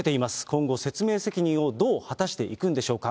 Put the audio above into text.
今後、説明責任をどう果たしていくんでしょうか。